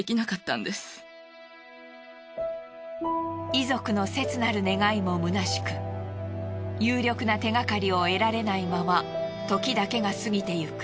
遺族の切なる願いもむなしく有力な手がかりを得られないまま時だけが過ぎてゆく。